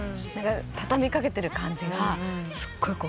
畳み掛けてる感じがすごい。